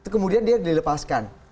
kemudian dia dilepaskan